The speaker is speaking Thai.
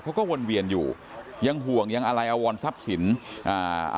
เขาก็วนเวียนอยู่ยังห่วงยังอะไรอวรทรัพย์สินอ่า